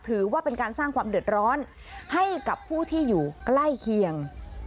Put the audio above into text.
ถือว่าเป็นการสร้างความเดือดร้อนให้กับผู้ที่อยู่ใกล้เคียง